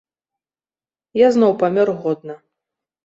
Я зноў памёр годна.